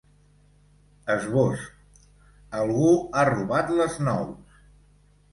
Esbós: Algú ha robat les nous!